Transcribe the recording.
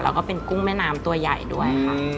เราก็เป็นกุ้งแม่นามตัวใหญ่ด้วย